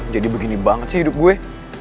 jadi begini banget sih hidup gue